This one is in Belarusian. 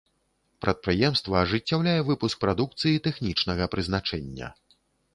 Прадпрыемства ажыццяўляе выпуск прадукцыі тэхнічнага прызначэння.